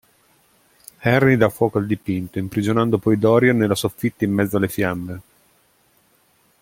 Henry dà fuoco al dipinto, imprigionando poi Dorian nella soffitta in mezzo alle fiamme.